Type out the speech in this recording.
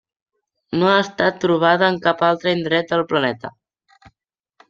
No ha estat trobada en cap altre indret del planeta.